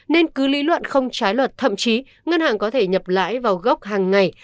nên cứ lý luận không trái luật thậm chí ngân hàng có thể nhập lãi vào gốc hàng ngày